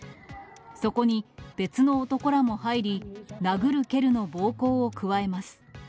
そこに、別の男らも入り、殴る蹴るの暴行を加えます。